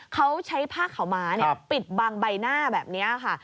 เขาใช้ผ้าขาวม้าปิดบังใบหน้าแบบนี้ค่ะ